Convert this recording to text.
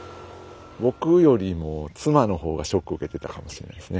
僕よりも妻の方がショックを受けてたかもしれないですね。